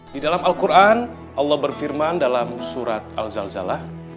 di dalam al quran allah berfirman dalam surat al zal zala